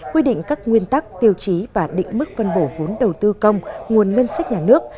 quy định các nguyên tắc tiêu chí và định mức phân bổ vốn đầu tư công nguồn ngân sách nhà nước